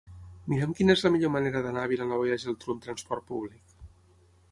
Mira'm quina és la millor manera d'anar a Vilanova i la Geltrú amb trasport públic.